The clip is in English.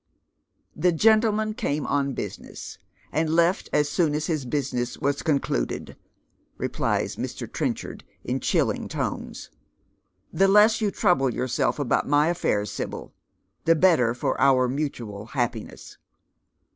"The gentleman came on business, and left as soon as his business was concluded," replies Mr. Trenchard, in chilling tones. " The less you trouble yourself about my aiiairs, Sibyl, the better for our mutual happiness."